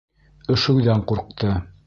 Өшөүҙән ҡурҡты.